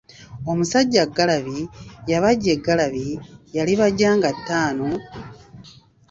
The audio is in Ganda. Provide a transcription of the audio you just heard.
Omusajja ggalabi, yabajja eggalabi, yalibajja nga ttaano,